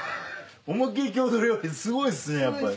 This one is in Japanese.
思いっきり郷土料理すごいっすねやっぱり。